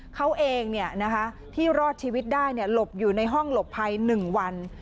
เขาเองที่รอดชีวิตได้หลบอยู่ในห้องหลบภัย๑วัน